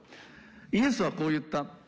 イエスはこう言った。